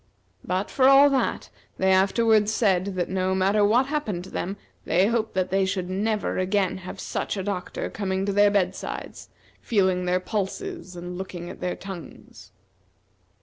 But, for all that, they afterward said that no matter what happened to them, they hoped that they should never again have such a doctor coming to their bed sides, feeling their pulses and looking at their tongues.